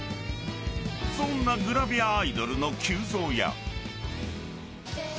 ［そんなグラビアアイドルの急増や］